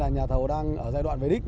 nhà thầu đang ở giai đoạn về đích